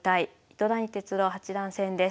糸谷哲郎八段戦です。